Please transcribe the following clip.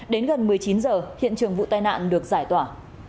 đến gần một mươi chín giờ hiện trường vụ tai nạn được giải tỏa